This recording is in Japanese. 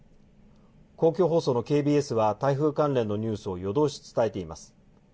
公共放送のＫＢＳは台風関連のニュースを夜通し伝えています。